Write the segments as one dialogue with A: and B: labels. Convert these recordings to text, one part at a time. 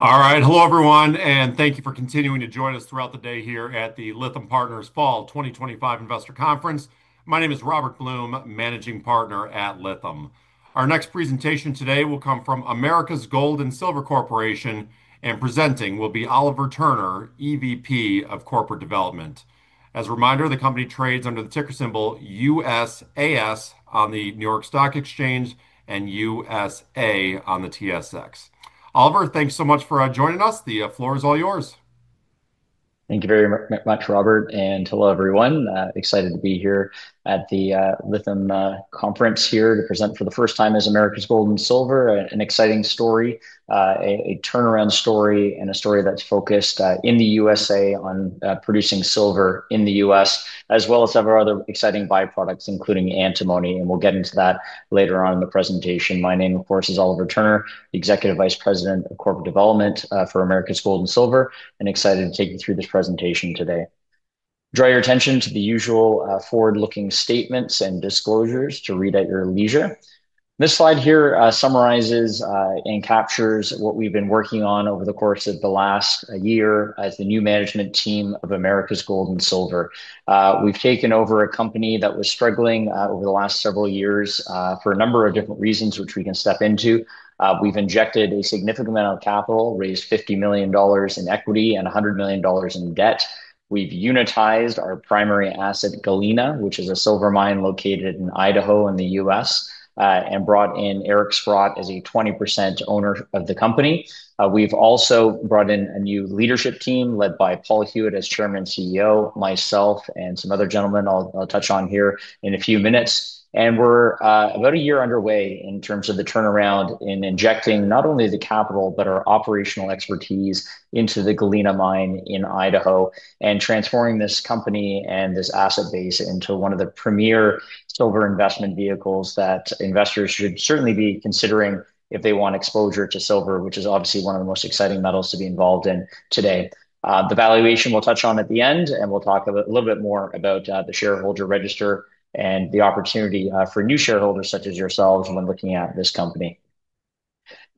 A: All right, hello everyone, and thank you for continuing to join us throughout the day here at the Lytham Partners Fall 2025 Investor Conference. My name is Robert Blum, Managing Partner at Lytham. Our next presentation today will come from Americas Gold and Silver Corporation, and presenting will be Oliver Turner, EVP of Corporate Development. As a reminder, the company trades under the ticker symbol USAS on the New York Stock Exchange and USA on the TSX. Oliver, thanks so much for joining us. The floor is all yours.
B: Thank you very much, Robert, and hello everyone. Excited to be here at the Lytham conference here to present for the first time as Americas Gold and Silver, an exciting story, a turnaround story, and a story that's focused in the U.S. on producing silver in the U.S., as well as several other exciting byproducts, including antimony, and we'll get into that later on in the presentation. My name, of course, is Oliver Turner, Executive Vice President of Corporate Development for Americas Gold and Silver, and excited to take you through this presentation today. Draw your attention to the usual forward-looking statements and disclosures to read at your leisure. This slide here summarizes and captures what we've been working on over the course of the last year as the new management team of Americas Gold and Silver. We've taken over a company that was struggling over the last several years for a number of different reasons, which we can step into. We've injected a significant amount of capital, raised $50 million in equity and $100 million in debt. We've unitized our primary asset, Galena, which is a silver mine located in Idaho in the U.S., and brought in Eric Sprott as a 20% owner of the company. We've also brought in a new leadership team led Paul Huet as Chairman and CEO, myself, and some other gentlemen I'll touch on here in a few minutes. We're about a year underway in terms of the turnaround in injecting not only the capital but our operational expertise into the Galena mine in Idaho and transforming this company and this asset base into one of the premier silver investment vehicles that investors should certainly be considering if they want exposure to silver, which is obviously one of the most exciting metals to be involved in today. The valuation we'll touch on at the end, and we'll talk a little bit more about the shareholder register and the opportunity for new shareholders such as yourselves when looking at this company.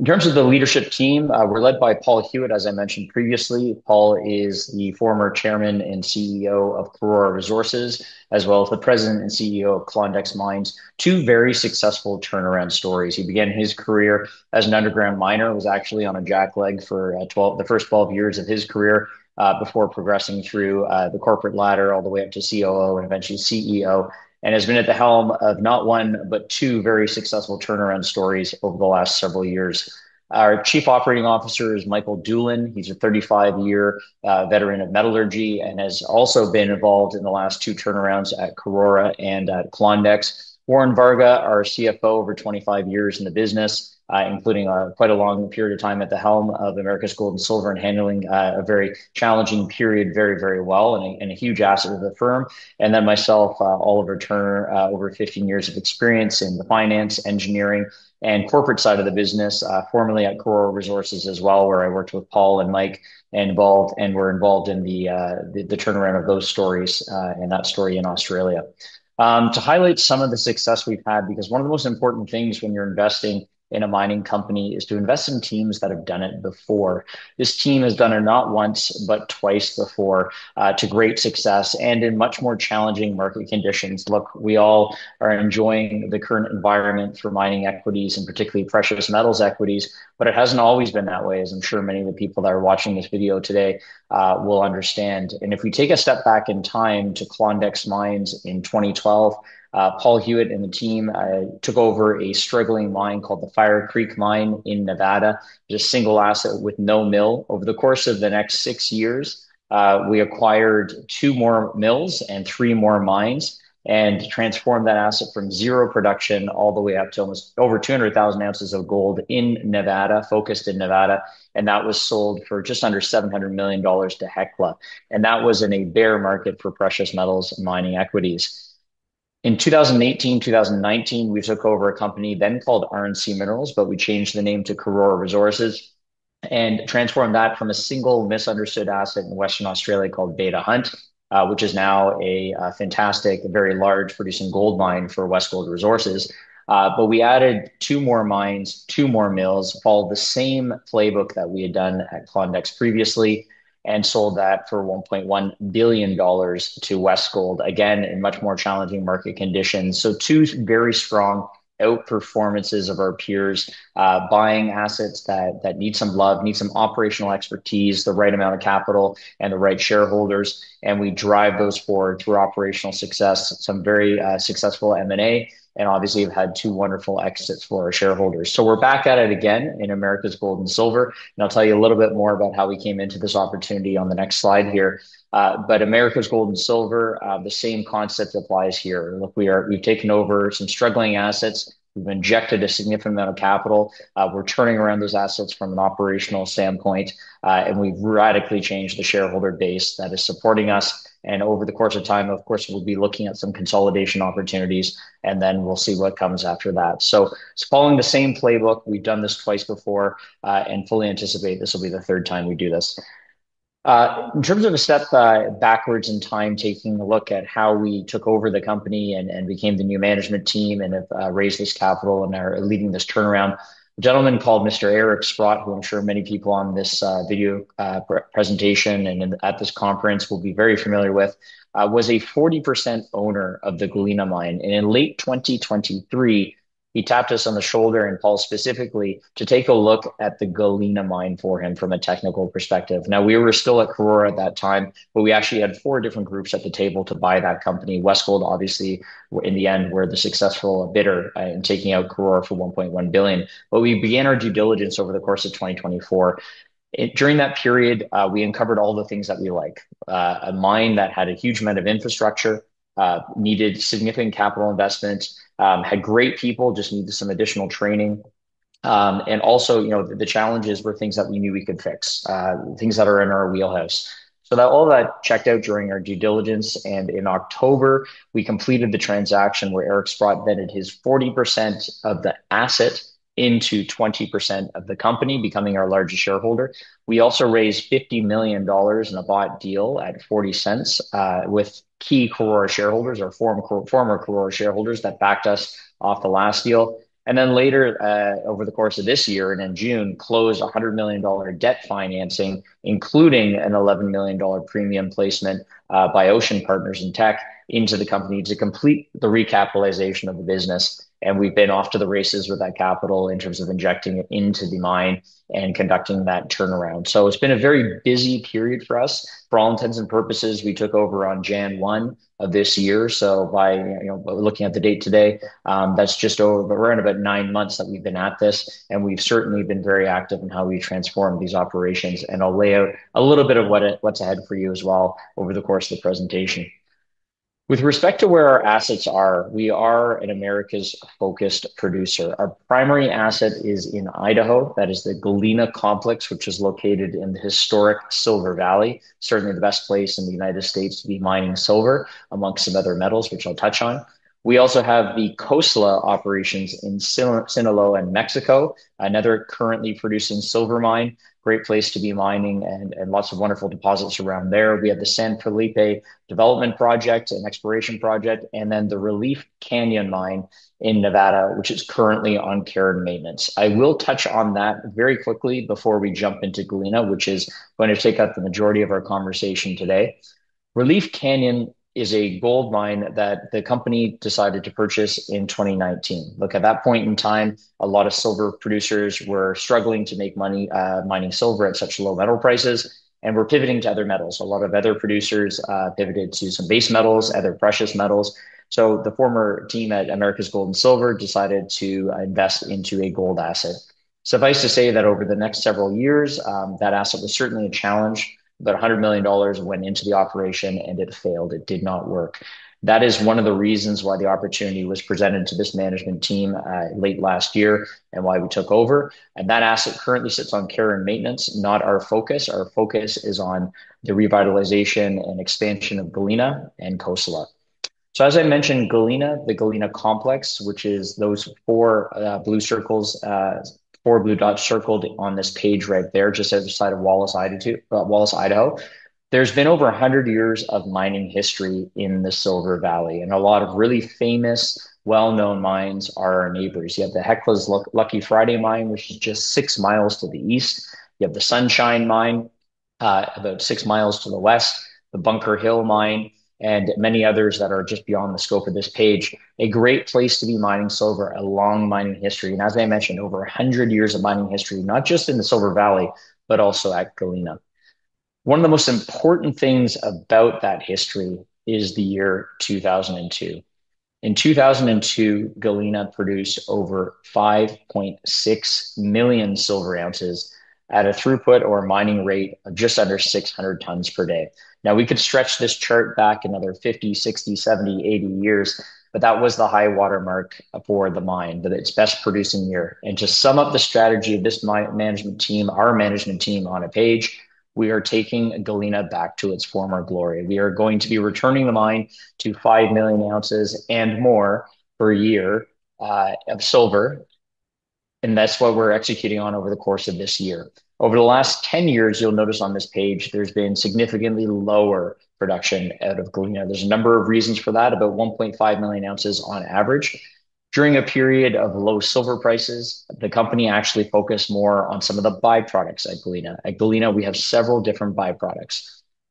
B: In terms of the leadership team, we're led Paul Huet, as I mentioned previously. Paul is the former Chairman and CEO of Karora Resources, as well as the President and CEO of Klondex Mines, two very successful turnaround stories. He began his career as an underground miner, was actually on a jackleg for the first 12 years of his career before progressing through the corporate ladder all the way up to COO and eventually CEO, and has been at the helm of not one but two very successful turnaround stories over the last several years. Our Chief Operating Officer is Michael Doolin. He's a 35-year veteran of metallurgy and has also been involved in the last two turnarounds at Karora and at Klondex. Warren Varga, our CFO, over 25 years in the business, including quite a long period of time at the helm of Americas Gold and Silver and handling a very challenging period very, very well and a huge asset of the firm. Then myself, Oliver Turner, over 15 years of experience in the finance, engineering, and corporate side of the business, formerly at Karora Resources as well, where I worked with Paul and Mike and were involved in the turnaround of those stories and that story in Australia. To highlight some of the success we've had, because one of the most important things when you're investing in a mining company is to invest in teams that have done it before. This team has done it not once but twice before to great success and in much more challenging market conditions. We all are enjoying the current environment for mining equities and particularly precious metals equities, but it hasn't always been that way, as I'm sure many of the people that are watching this video today will understand. If we take a step back in time to Klondex Mines in Paul Huet and the team took over a struggling mine called the Fire Creek Mine in Nevada, just a single asset with no mill. Over the course of the next six years, we acquired two more mills and three more mines and transformed that asset from zero production all the way up to almost over 200,000 ounces of gold in Nevada, focused in Nevada, and that was sold for just under $700 million to HECLA, and that was in a bear market for precious metals mining equities. In 2018-2019, we took over a company then called RNC Minerals, but we changed the name to Karora Resources and transformed that from a single misunderstood asset in Western Australia called Beta Hunt, which is now a fantastic, very large producing gold mine for Westgold Resources. We added two more mines, two more mills, followed the same playbook that we had done at Klondex previously, and sold that for $1.1 billion to Westgold, again in much more challenging market conditions. Two very strong outperformances of our peers buying assets that need some love, need some operational expertise, the right amount of capital, and the right shareholders, and we drive those forward through operational success, some very successful M&A, and obviously have had two wonderful exits for our shareholders. We're back at it again in Americas Gold and Silver, and I'll tell you a little bit more about how we came into this opportunity on the next slide here. Americas Gold and Silver, the same concept applies here. We've taken over some struggling assets, we've injected a significant amount of capital, we're turning around those assets from an operational standpoint, and we've radically changed the shareholder base that is supporting us. Over the course of time, of course, we'll be looking at some consolidation opportunities, and then we'll see what comes after that. Following the same playbook, we've done this twice before, and fully anticipate this will be the third time we do this. In terms of a step backwards in time, taking a look at how we took over the company and became the new management team and have raised this capital and are leading this turnaround, a gentleman called Mr. Eric Sprott, who I'm sure many people on this video presentation and at this conference will be very familiar with, was a 40% owner of the Galena Mine. In late 2023, he tapped us on the shoulder and Paul specifically to take a look at the Galena Mine for him from a technical perspective. We were still at Karora at that time, but we actually had four different groups at the table to buy that company. Westgold, obviously, in the end, were the successful bidder in taking out Karora for $1.1 billion. We began our due diligence over the course of 2024. During that period, we uncovered all the things that we like. A mine that had a huge amount of infrastructure, needed significant capital investment, had great people, just needed some additional training, and also the challenges were things that we knew we could fix, things that are in our wheelhouse. All that checked out during our due diligence, and in October, we completed the transaction where Eric Sprott vetted his 40% of the asset into 20% of the company, becoming our largest shareholder. We also raised $50 million in a bought deal at $0.40 with key Karora shareholders or former Karora shareholders that backed us off the last deal. Later, over the course of this year and in June, closed $100 million debt financing, including an $11 million premium placement by Ocean Partners and Teck into the company to complete the recapitalization of the business. We've been off to the races with that capital in terms of injecting it into the mine and conducting that turnaround. It's been a very busy period for us. For all intents and purposes, we took over on January 1 of this year. By looking at the date today, that's just over, we're at about nine months that we've been at this, and we've certainly been very active in how we've transformed these operations. I'll lay out a little bit of what's ahead for you as well over the course of the presentation. With respect to where our assets are, we are an Americas-focused producer. Our primary asset is in Idaho. That is the Galena Mine, which is located in the historic Silver Valley, certainly the best place in the United States to be mining silver amongst some other metals, which I'll touch on. We also have the Cosalá Operations in Sinaloa and Mexico, another currently producing silver mine, great place to be mining and lots of wonderful deposits around there. We have the San Felipe development project, an exploration project, and then the Relief Canyon mine in Nevada, which is currently on care and maintenance. I will touch on that very quickly before we jump into Galena, which is going to take up the majority of our conversation today. Relief Canyon is a gold mine that the company decided to purchase in 2019. At that point in time, a lot of silver producers were struggling to make money mining silver at such low metal prices, and were pivoting to other metals. A lot of other producers pivoted to some base metals, other precious metals. The former team at Americas Gold and Silver Corporation decided to invest into a gold asset. Suffice to say that over the next several years, that asset was certainly a challenge. About $100 million went into the operation, and it failed. It did not work. That is one of the reasons why the opportunity was presented to this management team late last year and why we took over. That asset currently sits on care and maintenance, not our focus. Our focus is on the revitalization and expansion of Galena and Cosalá. As I mentioned, Galena, the Galena Mine, which is those four blue circles, four blue dots circled on this page right there, just outside of Wallace, Idaho. There's been over 100 years of mining history in the Silver Valley, and a lot of really famous, well-known mines are our neighbors. You have the HECLA's Lucky Friday mine, which is just six miles to the east. You have the Sunshine mine, about six miles to the west, the Bunker Hill mine, and many others that are just beyond the scope of this page. A great place to be mining silver, a long mining history, and as I mentioned, over 100 years of mining history, not just in the Silver Valley, but also at Galena. One of the most important things about that history is the year 2002. In 2002, Galena produced over 5.6 million silver ounces at a throughput or a mining rate of just under 600 tons per day. Now we could stretch this chart back another 50 years, 60 years, 70 years, 80 years, but that was the high watermark for the mine, its best producing year. To sum up the strategy of this management team, our management team on a page, we are taking Galena back to its former glory. We are going to be returning the mine to 5 million ounces and more per year of silver, and that's what we're executing on over the course of this year. Over the last 10 years, you'll notice on this page there's been significantly lower production out of Galena. There's a number of reasons for that, about 1.5 million ounces on average. During a period of low silver prices, the company actually focused more on some of the byproducts at Galena. At Galena, we have several different byproducts: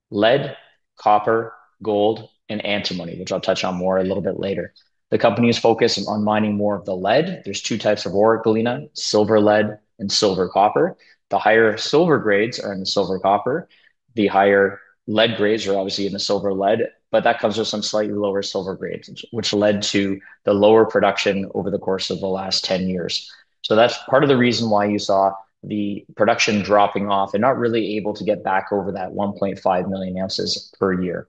B: lead, copper, gold, and antimony, which I'll touch on more a little bit later. The company is focused on mining more of the lead. There's two types of ore at Galena: silver lead and silver copper. The higher silver grades are in the silver copper. The higher lead grades are obviously in the silver lead, but that comes with some slightly lower silver grades, which led to the lower production over the course of the last 10 years. That's part of the reason why you saw the production dropping off and not really able to get back over that 1.5 million ounces per year.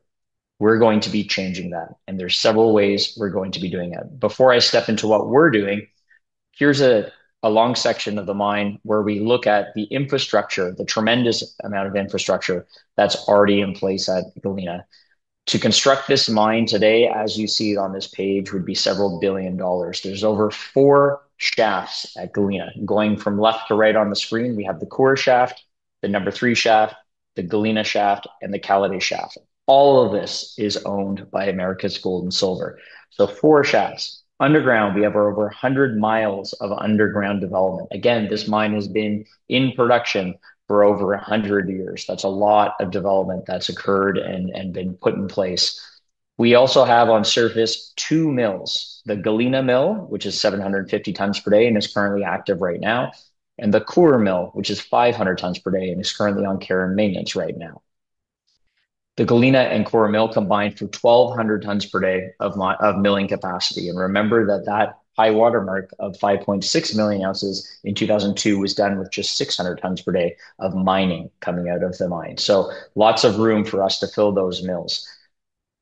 B: We're going to be changing that, and there's several ways we're going to be doing that. Before I step into what we're doing, here's a long section of the mine where we look at the infrastructure, the tremendous amount of infrastructure that's already in place at Galena. To construct this mine today, as you see it on this page, would be several billion dollars. There's over four shafts at Galena. Going from left to right on the screen, we have the Core shaft, the No. 3 shaft, the Galena shaft, and the Calide shaft. All of this is owned by Americas Gold and Silver Corporation. So four shafts. Underground, we have over 100 miles of underground development. Again, this mine has been in production for over 100 years. That's a lot of development that's occurred and been put in place. We also have on surface two mills: the Galena mill, which is 750 tons per day and is currently active right now, and the Coeur mill, which is 500 tons per day and is currently on care and maintenance right now. The Galena and Coeur mill combine for 1,200 tons per day of milling capacity, and remember that that high watermark of 5.6 million ounces in 2002 was done with just 600 tons per day of mining coming out of the mine. Lots of room for us to fill those mills.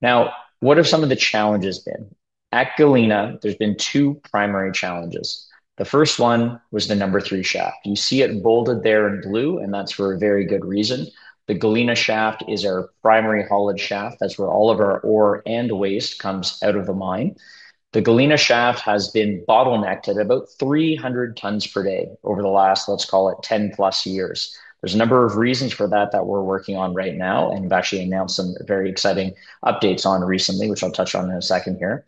B: What have some of the challenges been? At Galena, there's been two primary challenges. The first one was the No. 3 shaft. You see it bolded there in blue, and that's for a very good reason. The Galena shaft is our primary hoist shaft. That's where all of our ore and waste comes out of the mine. The Galena shaft has been bottlenecked at about 300 tons per day over the last, let's call it, 10+ years. There's a number of reasons for that that we're working on right now, and we've actually announced some very exciting updates on recently, which I'll touch on in a second here.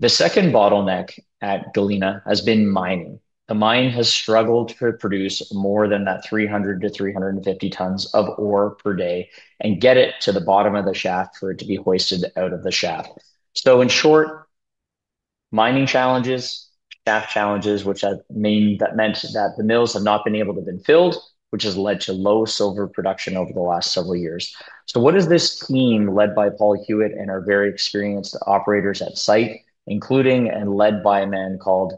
B: The second bottleneck at Galena has been mining. The mine has struggled to produce more than that 300 tons-350 tons of ore per day and get it to the bottom of the shaft for it to be hoisted out of the shaft. In short, mining challenges, staff challenges, which meant that the mills have not been able to have been filled, which has led to low silver production over the last several years. What is this team led Paul Huet and our very experienced operators at site, including and led by a man called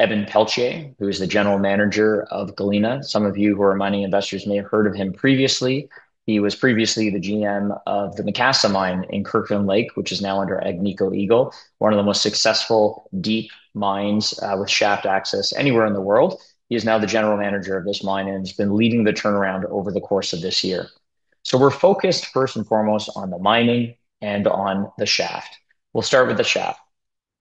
B: Evan Pelletier, who is the General Manager of Galena? Some of you who are mining investors may have heard of him previously. He was previously the GM of the Macassa mine in Kirkland Lake, which is now under Agnico Eagle, one of the most successful deep mines with shaft access anywhere in the world. He is now the General Manager of this mine and has been leading the turnaround over the course of this year. We're focused first and foremost on the mining and on the shaft. We'll start with the shaft.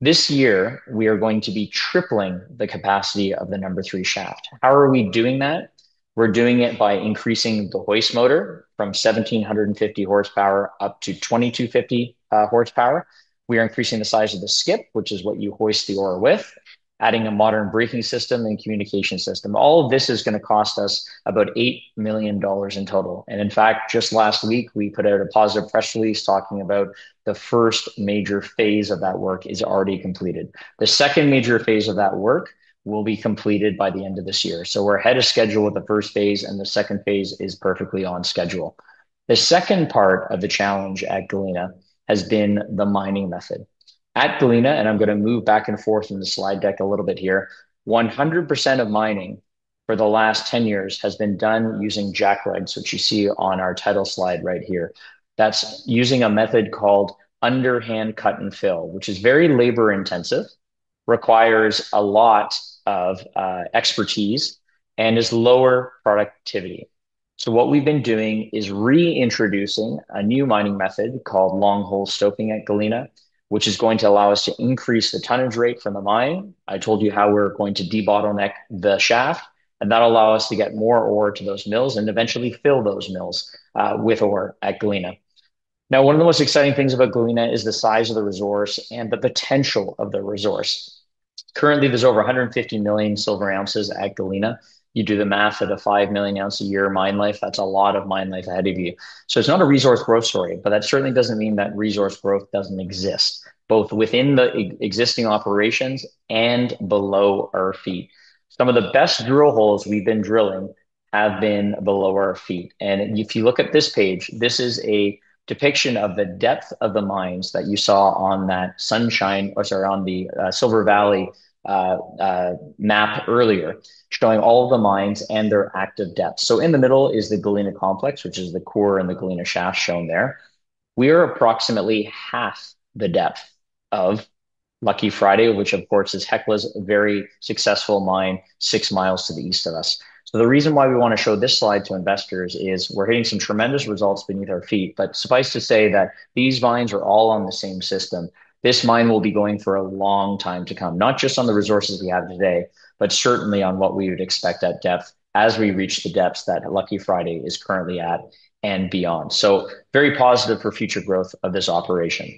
B: This year, we are going to be tripling the capacity of the No. 3 shaft. How are we doing that? We're doing it by increasing the hoist motor from 1,750 horsepower up to 2,250 horsepower. We are increasing the size of the skip, which is what you hoist the ore with, adding a modern braking system and communication system. All of this is going to cost us about $8 million in total. In fact, just last week, we put out a positive press release talking about the first major phase of that work is already completed. The second major phase of that work will be completed by the end of this year. We're ahead of schedule with the first phase, and the second phase is perfectly on schedule. The second part of the challenge at Galena has been the mining method. At Galena, and I'm going to move back and forth in the slide deck a little bit here, 100% of mining for the last 10 years has been done using jacklegs, which you see on our title slide right here. That's using a method called underhand cut and fill, which is very labor intensive, requires a lot of expertise, and is lower productivity. What we've been doing is reintroducing a new mining method called long-hole stoping at Galena, which is going to allow us to increase the tonnage rate from the mine. I told you how we're going to debottleneck the shaft, and that will allow us to get more ore to those mills and eventually fill those mills with ore at Galena. One of the most exciting things about Galena is the size of the resource and the potential of the resource. Currently, there's over 150 million silver ounces at Galena. You do the math at a 5 million ounce a year mine life, that's a lot of mine life ahead of you. It's not a resource growth story, but that certainly doesn't mean that resource growth doesn't exist, both within the existing operations and below our feet. Some of the best drill holes we've been drilling have been below our feet. If you look at this page, this is a depiction of the depth of the mines that you saw on that Sunshine, or sorry, on the Silver Valley map earlier, showing all of the mines and their active depth. In the middle is the Galena Complex, which is the core and the Galena shaft shown there. We are approximately half the depth of Lucky Friday, which of course is HECLA's very successful mine six miles to the east of us. The reason why we want to show this slide to investors is we're hitting some tremendous results beneath our feet, but suffice to say that these veins are all on the same system. This mine will be going for a long time to come, not just on the resources we have today, but certainly on what we would expect at depth as we reach the depths that Lucky Friday is currently at and beyond. Very positive for future growth of this operation.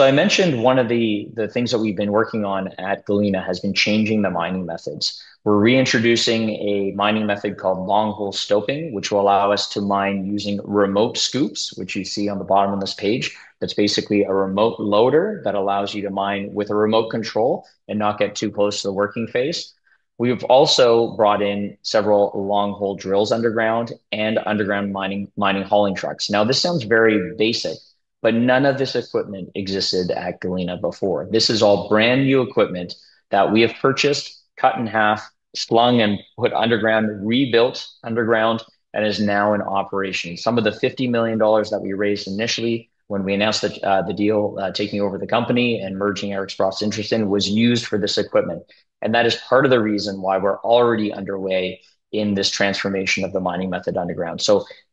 B: I mentioned one of the things that we've been working on at Galena has been changing the mining methods. We're reintroducing a mining method called long-hole stoping, which will allow us to mine using remote scoops, which you see on the bottom of this page. It's basically a remote loader that allows you to mine with a remote control and not get too close to the working face. We've also brought in several long-hole drills underground and underground mining hauling trucks. This sounds very basic, but none of this equipment existed at Galena before. This is all brand new equipment that we have purchased, cut in half, slung and put underground, rebuilt underground, and is now in operation. Some of the $50 million that we raised initially when we announced the deal, taking over the company and merging Eric Sprott's interest in, was used for this equipment. That is part of the reason why we're already underway in this transformation of the mining method underground.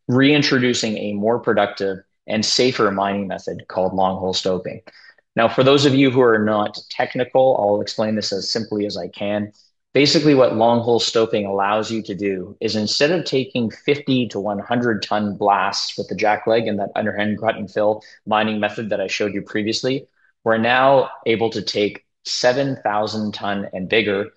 B: Reintroducing a more productive and safer mining method called long-hole stoping. Now, for those of you who are not technical, I'll explain this as simply as I can. Basically, what long-hole stoping allows you to do is instead of taking 50 ton-100 ton blasts with the jackleg and that underhand cut and fill mining method that I showed you previously, we're now able to take 7,000 ton and bigger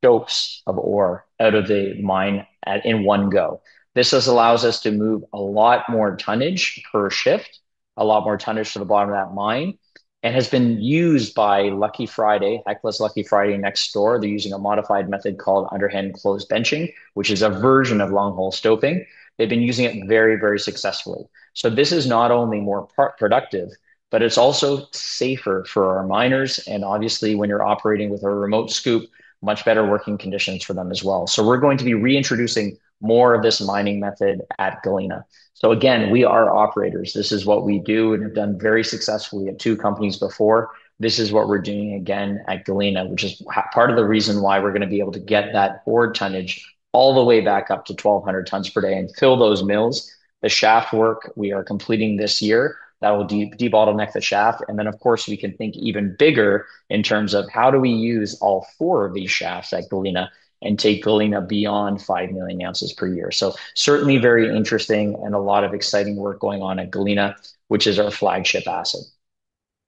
B: stopes of ore out of the mine in one go. This allows us to move a lot more tonnage per shift, a lot more tonnage to the bottom of that mine, and has been used by Lucky Friday, HECLA's Lucky Friday next door. They're using a modified method called underhand closed benching, which is a version of long-hole stoping. They've been using it very, very successfully. This is not only more productive, but it's also safer for our miners, and obviously when you're operating with a remote scoop, much better working conditions for them as well. We're going to be reintroducing more of this mining method at Galena. Again, we are operators. This is what we do and have done very successfully at two companies before. This is what we're doing again at Galena, which is part of the reason why we're going to be able to get that ore tonnage all the way back up to 1,200 tons per day and fill those mills. The shaft work we are completing this year will debottleneck the shaft, and then of course we can think even bigger in terms of how do we use all four of these shafts at Galena and take Galena beyond 5 million ounces per year. Certainly very interesting and a lot of exciting work going on at Galena, which is our flagship asset.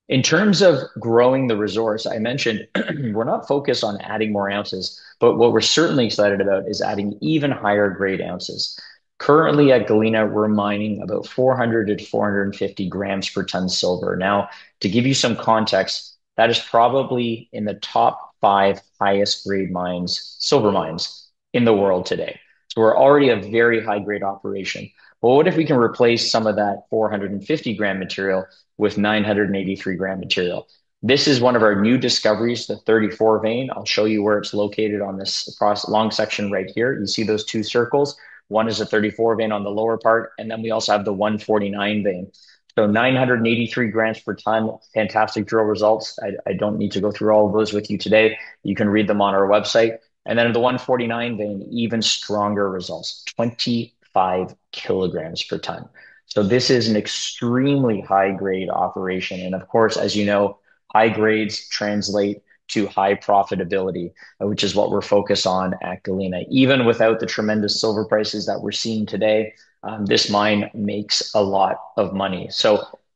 B: In terms of growing the resource, I mentioned we're not focused on adding more ounces, but what we're certainly excited about is adding even higher grade ounces. Currently at Galena, we're mining about 400 g-450 g per ton silver. Now, to give you some context, that is probably in the top five highest grade silver mines in the world today. We're already a very high-grade operation. What if we can replace some of that 450 g material with 983 g material? This is one of our new discoveries, the 34 vein. I'll show you where it's located on this long section right here. You see those two circles. One is a 34 vein on the lower part, and then we also have the 149 vein. 983 g per ton, fantastic drill results. I don't need to go through all of those with you today. You can read them on our website. The 149 vein, even stronger results, 25 kg per ton. This is an extremely high-grade operation, and of course, as you know, high grades translate to high profitability, which is what we're focused on at Galena. Even without the tremendous silver prices that we're seeing today, this mine makes a lot of money.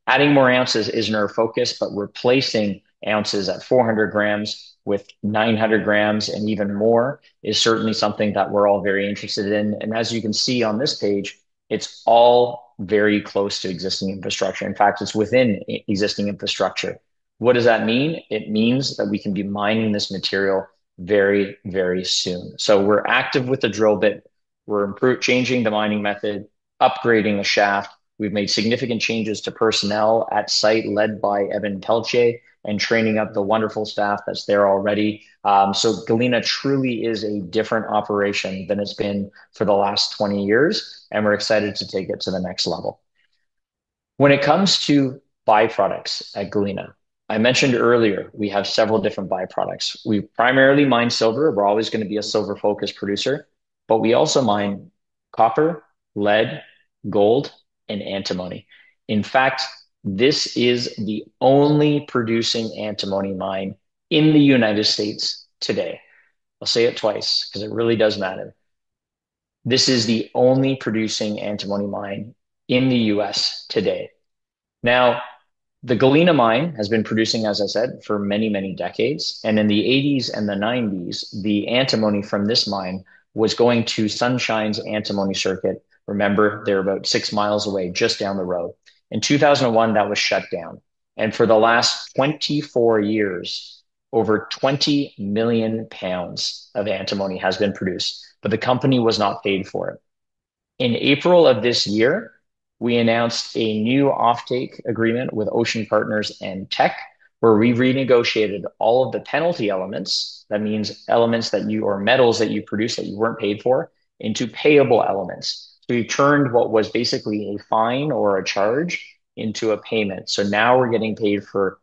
B: Adding more ounces isn't our focus, but replacing ounces at 400 g with 900 g and even more is certainly something that we're all very interested in. As you can see on this page, it's all very close to existing infrastructure. In fact, it's within existing infrastructure. What does that mean? It means that we can be mining this material very, very soon. We're active with the drill bit. We're changing the mining method, upgrading the shaft. We've made significant changes to personnel at site led by Evan Pelletier and training up the wonderful staff that's there already. Galena truly is a different operation than it's been for the last 20 years, and we're excited to take it to the next level. When it comes to byproducts at Galena, I mentioned earlier we have several different byproducts. We primarily mine silver. We're always going to be a silver-focused producer, but we also mine copper, lead, gold, and antimony. In fact, this is the only producing antimony mine in the U.S. today. I'll say it twice because it really does matter. This is the only producing antimony mine in the U.S. today. Now, the Galena mine has been producing, as I said, for many, many decades, and in the 1980s and the 1990s, the antimony from this mine was going to Sunshine's antimony circuit. Remember, they're about six miles away just down the road. In 2001, that was shut down, and for the last 24 years, over 20 million pounds of antimony has been produced, but the company was not paid for it. In April of this year, we announced a new offtake agreement with Ocean Partners and Teck, where we renegotiated all of the penalty elements. That means elements or metals that you produced that you weren't paid for into payable elements. We turned what was basically a fine or a charge into a payment. Now we're getting paid for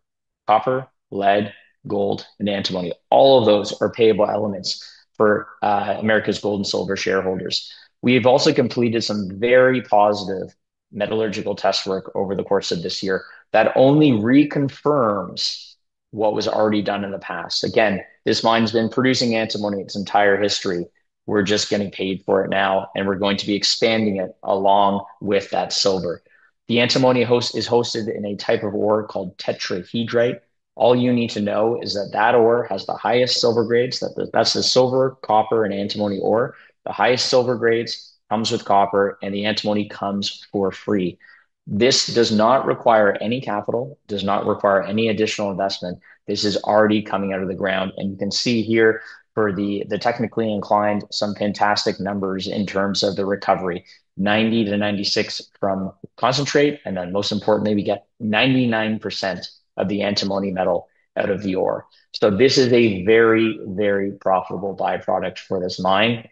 B: copper, lead, gold, and antimony. All of those are payable elements for Americas Gold and Silver shareholders. We've also completed some very positive metallurgical test work over the course of this year that only reconfirms what was already done in the past. Again, this mine's been producing antimony its entire history. We're just getting paid for it now, and we're going to be expanding it along with that silver. The antimony is hosted in a type of ore called tetrahedrite. All you need to know is that that ore has the highest silver grades. That's the silver, copper, and antimony ore. The highest silver grades come with copper, and the antimony comes for free. This does not require any capital, does not require any additional investment. This is already coming out of the ground, and you can see here for the technically inclined, some fantastic numbers in terms of the recovery, 90%-96% from concentrate, and then most importantly, we get 99% of the antimony metal out of the ore. This is a very, very profitable byproduct for this mine,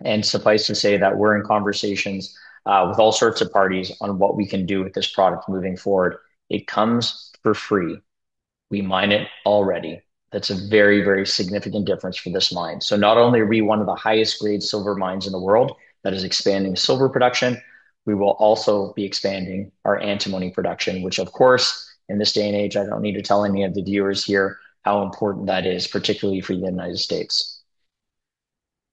B: and suffice to say that we're in conversations with all sorts of parties on what we can do with this product moving forward. It comes for free. We mine it already. That's a very, very significant difference for this mine. Not only are we one of the highest-grade silver mines in the world that is expanding silver production, we will also be expanding our antimony production, which of course, in this day and age, I don't need to tell any of the viewers here how important that is, particularly for the United States.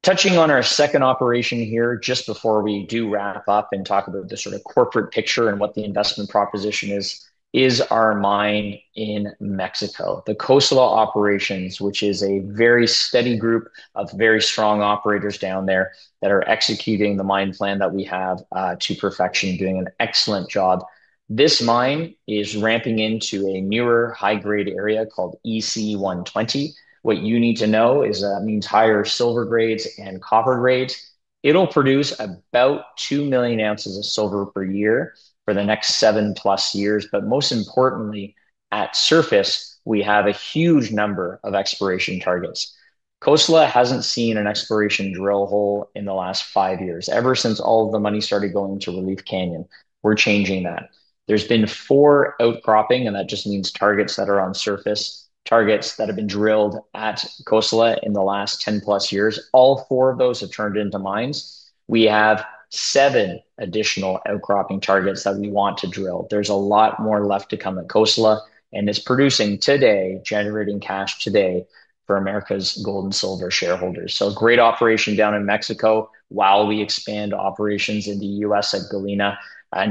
B: Touching on our second operation here, just before we do wrap up and talk about the sort of corporate picture and what the investment proposition is, is our mine in Mexico, the Cosalá Operations, which is a very steady group of very strong operators down there that are executing the mine plan that we have to perfection, doing an excellent job. This mine is ramping into a newer high-grade area called EC120. What you need to know is that it means higher silver grades and copper grades. It'll produce about 2 million ounces of silver per year for the next seven plus years, but most importantly, at surface, we have a huge number of exploration targets. Cosalá hasn't seen an exploration drill hole in the last five years, ever since all of the money started going to Relief Canyon. We're changing that. There's been four outcropping, and that just means targets that are on surface, targets that have been drilled at Cosalá in the last 10+ years. All four of those have turned into mines. We have seven additional outcropping targets that we want to drill. There's a lot more left to come at Cosalá, and it's producing today, generating cash today for Americas Gold and Silver Corporation shareholders. Great operation down in Mexico while we expand operations in the U.S. at Galena.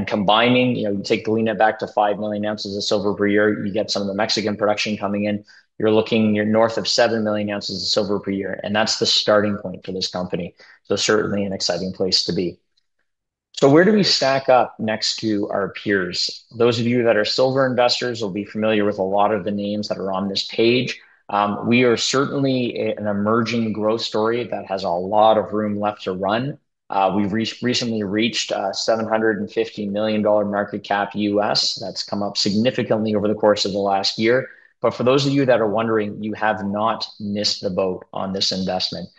B: Combining, you take Galena back to 5 million ounces of silver per year, you get some of the Mexican production coming in. You're looking north of 7 million ounces of silver per year, and that's the starting point for this company. Certainly an exciting place to be. Where do we stack up next to our peers? Those of you that are silver investors will be familiar with a lot of the names that are on this page. We are certainly an emerging growth story that has a lot of room left to run. We've recently reached a $750 million market cap U.S. That's come up significantly over the course of the last year. For those of you that are wondering, you have not missed the boat on this investment.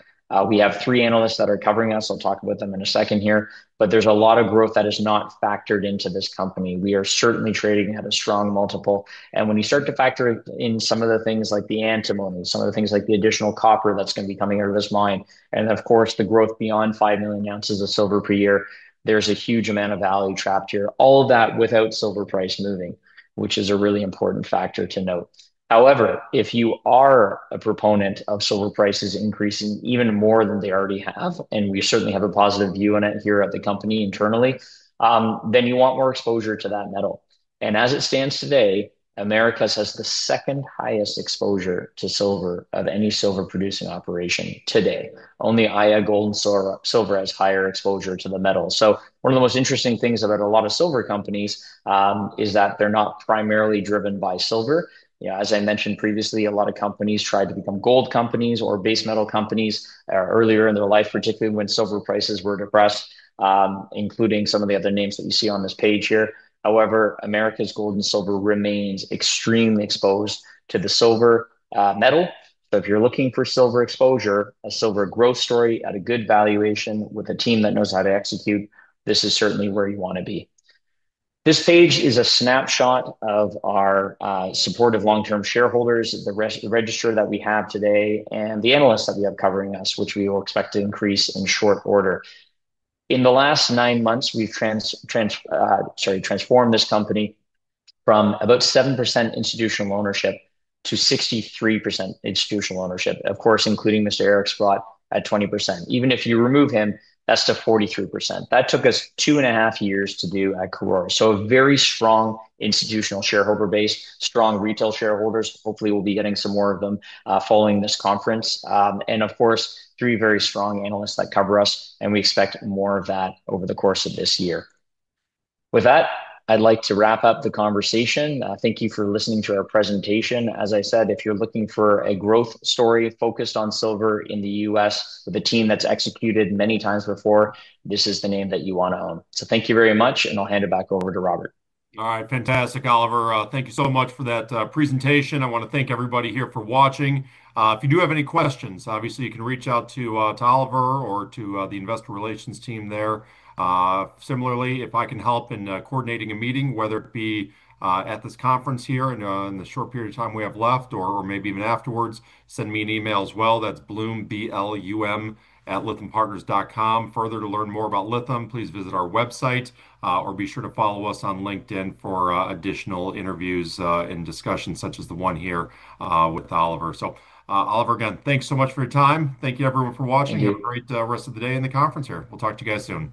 B: We have three analysts that are covering us. I'll talk about them in a second here. There's a lot of growth that is not factored into this company. We are certainly trading at a strong multiple, and when you start to factor in some of the things like the antimony, some of the things like the additional copper that's going to be coming out of this mine, and of course the growth beyond 5 million ounces of silver per year, there's a huge amount of value trapped here, all of that without silver price moving, which is a really important factor to note. However, if you are a proponent of silver prices increasing even more than they already have, and we certainly have a positive view on it here at the company internally, then you want more exposure to that metal. As it stands today, Americas Gold and Silver has the second highest exposure to silver of any silver producing operation today. Only Aya Gold and Silver has higher exposure to the metal. One of the most interesting things about a lot of silver companies is that they're not primarily driven by silver. As I mentioned previously, a lot of companies tried to become gold companies or base metal companies earlier in their life, particularly when silver prices were depressed, including some of the other names that you see on this page here. However, Americas Gold and Silver remains extremely exposed to the silver metal. If you're looking for silver exposure, a silver growth story at a good valuation with a team that knows how to execute, this is certainly where you want to be. This page is a snapshot of our supportive long-term shareholders, the register that we have today, and the analysts that we have covering us, which we will expect to increase in short order. In the last nine months, we've transformed this company from about 7% institutional ownership to 63% institutional ownership, of course, including Mr. Eric Sprott at 20%. Even if you remove him, that's to 43%. That took us two and a half years to do at Karora. A very strong institutional shareholder base, strong retail shareholders. Hopefully, we'll be getting some more of them following this conference. Of course, three very strong analysts that cover us, and we expect more of that over the course of this year. With that, I'd like to wrap up the conversation. Thank you for listening to our presentation. As I said, if you're looking for a growth story focused on silver in the U.S. with a team that's executed many times before, this is the name that you want to own. Thank you very much, and I'll hand it back over to Robert.
A: All right, fantastic, Oliver. Thank you so much for that presentation. I want to thank everybody here for watching. If you do have any questions, obviously you can reach out to Oliver or to the investor relations team there. Similarly, if I can help in Coordinatirdinating a meeting, whether it be at this conference here and in the short period of time we have left or maybe even afterwards, send me an email as well. That's blum@lythampartners.com. Further, to learn more about Lytham Partners, please visit our website or be sure to follow us on LinkedIn for additional interviews and discussions such as the one here with Oliver. So Oliver, again, thanks so much for your time. Thank you, everyone, for watching. Have a great rest of the day in the conference here. We'll talk to you guys soon.